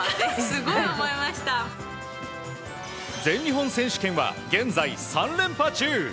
全日本選手権は現在３連覇中。